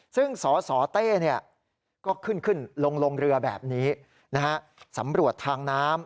ซึ่งสสเต้ก็ขึ้นลงเรือแบบนี้สำรวจทางน้ำ